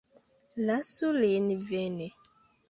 Lasu lin veni.